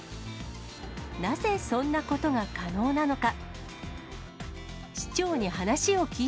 なぜそんなことが可能なのか。